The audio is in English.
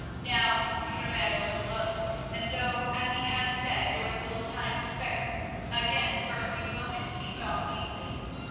Now Ramiro was alone, and though, as he had said, there was little time to spare, again for a few moments he thought deeply.